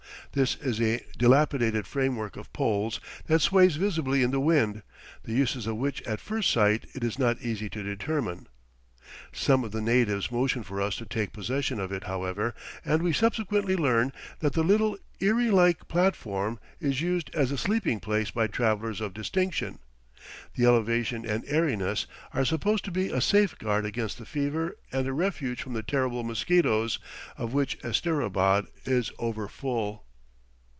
This is a dilapidated framework of poles that sways visibly in the wind, the uses of which at first sight it is not easy to determine. Some of the natives motion for us to take possession of it, however; and we subsequently learn that the little eyrie like platform is used as a sleeping place by travellers of distinction. The elevation and airiness are supposed to be a safeguard against the fever and a refuge from the terrible mosquitoes, of which Asterabad is over full.